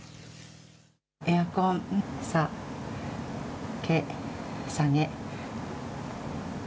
エアコン下げて。